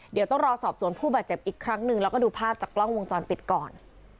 เดี๋ยวต้องรอสอบสวนผู้บาดเจ็บอีกครั้งหนึ่งแล้วก็ดูภาพจากกล้องวงจรปิดก่อน